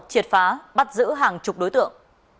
triệt phá bắt giữ hàng chục đối tượng